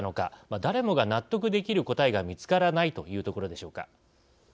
誰もが納得できる答えが見つからないというところでしょうか。